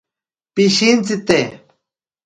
Pishintsite.